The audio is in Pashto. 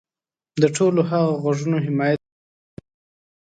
د ټولو هغه غږونو حمایت دې وتړي.